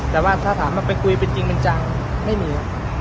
แต่ว่าถ้าถามว่าไปคุยเป็นจริงเป็นจังไม่มี